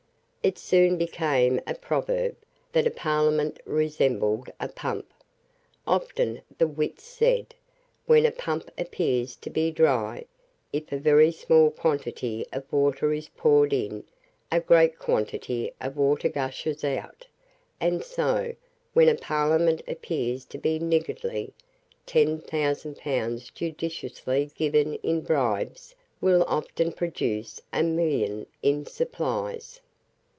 It soon became a proverb that a Parliament resembled a pump. Often, the wits said, when a pump appears to be dry, if a very small quantity of water is poured in, a great quantity of water gushes out: and so, when a Parliament appears to be niggardly, ten thousand pounds judiciously given in bribes will often produce a million in supplies.